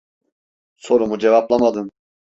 Sorumu cevaplamadın.